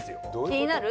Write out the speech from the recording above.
気になる？